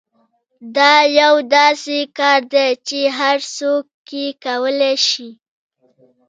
دا یو داسې کار دی چې هر څوک یې کولای شي